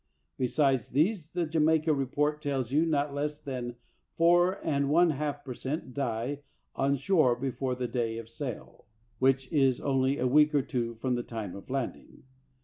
Be sides these, the Jamaica report tells you that not less than four and one half per cent, die on shore before the day of sale, which is only a week or two from the time of landing.